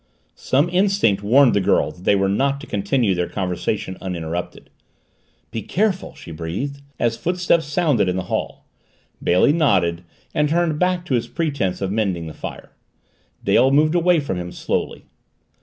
Some instinct warned the girl that they were not to continue their conversation uninterrupted. "Be careful!" she breathed, as footsteps sounded in the hall. Bailey nodded and turned back to his pretense of mending the fire. Dale moved away from him slowly.